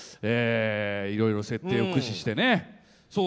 いろいろ設定を駆使してね。